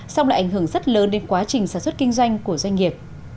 xong lại ảnh hưởng rất lớn đến quá trình sản xuất kinh doanh của doanh nghiệp